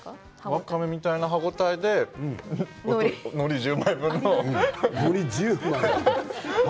わかめみたいな歯応えでのり１０枚分の。